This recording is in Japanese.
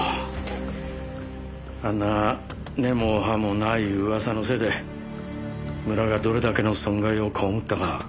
あんな根も葉もない噂のせいで村がどれだけの損害を被ったか。